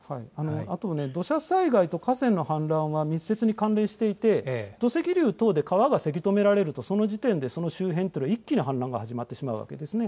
あと土砂災害と河川の氾濫は密接に関連していて、土石流等で川がせき止められると、その時点でその周辺っていうのは、一気に氾濫が始まってしまうわけなんですね。